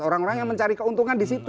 orang orang yang mencari keuntungan di situ